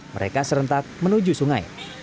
mereka serentak menuju sungai